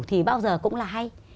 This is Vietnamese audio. thì bao giờ cũng là hay